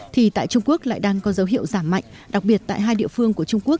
thì tại trung quốc lại đang có dấu hiệu giảm mạnh đặc biệt tại hai địa phương của trung quốc